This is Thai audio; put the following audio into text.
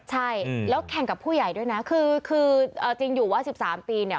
ใช่แล้วแข่งกับผู้ใหญ่ด้วยนะคือคือเอาจริงอยู่ว่า๑๓ปีเนี่ย